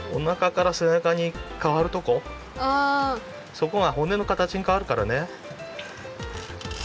そこが骨のかたちかわるからね。